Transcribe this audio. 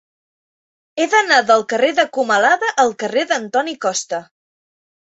He d'anar del carrer de Comalada al carrer d'Antoni Costa.